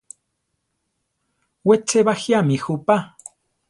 We che bajíami jupa.